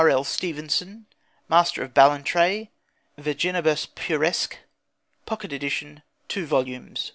L. Stevenson, Master of Ballantrae, Virginibus Puerisque: Pocket Edition (2 vols.)